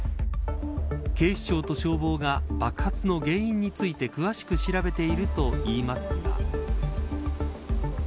警視庁と消防が爆発の原因について詳しく調べているといいますが。